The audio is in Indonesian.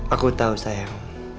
aku tau sayang